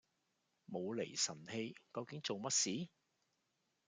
無厘神氣，究竟做乜事？